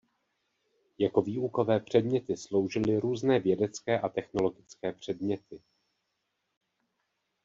Jako výukové předměty sloužily různé vědecké a technologické předměty.